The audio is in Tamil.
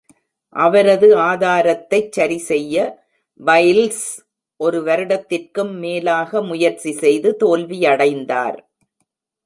அவரது ஆதாரத்தைச் சரிசெய்ய வைல்ஸ் ஒரு வருடத்திற்கும் மேலாக முயற்சி செய்து தோல்வியடைந்தார்.